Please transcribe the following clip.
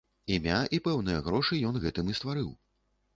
Імя і пэўныя грошы ён гэтым і стварыў.